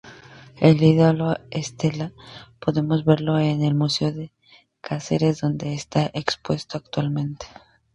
El "ídolo estela" podemos verlo en el museo de Cáceres donde está expuesto actualmente.